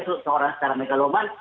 seorang secara megaloman